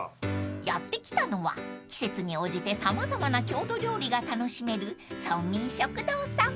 ［やって来たのは季節に応じて様々な郷土料理が楽しめる村民食堂さん］